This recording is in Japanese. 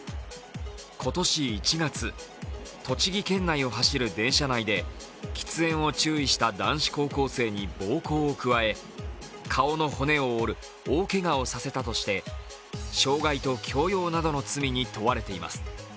今年１月、栃木県内を走る電車内で喫煙を注意した男子高校生に暴行を加え、顔の骨を折る大ケガをさせたとして傷害と強要などの罪に問われています。